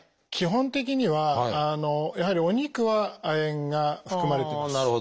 基本的にはやはりお肉は亜鉛が含まれています。